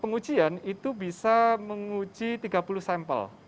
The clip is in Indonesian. pengujian itu bisa menguji tiga puluh sampel